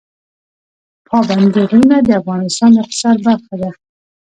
پابندی غرونه د افغانستان د اقتصاد برخه ده.